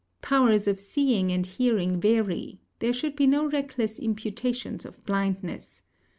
Powers of seeing and hearing vary; there should be no reckless imputations of blindness.